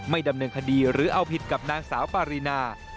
ดำเนินคดีหรือเอาผิดกับนางสาวปารีนา